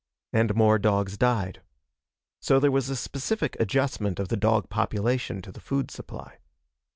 And more dogs died. So there was a specific adjustment of the dog population to the food supply.